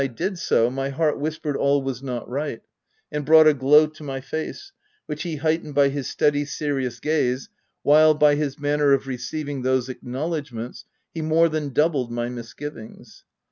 199 did so, my heart whispered all was not right, and brought a glow to my face, which he heightened by his steady, serious gaze, while, by his manner of receiving those acknowledge ments, he more than doubled my misgivings.